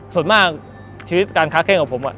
ส่วนมากชีวิตการค้าแข้งของผม